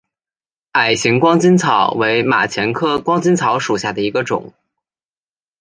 矮形光巾草为马钱科光巾草属下的一个种。